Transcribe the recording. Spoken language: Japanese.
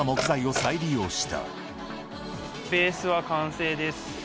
ベースは完成です。